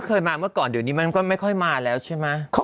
เคยมาเมื่อก่อนเดี๋ยวนี้มันก็ไม่ค่อยมาแล้วใช่ไหม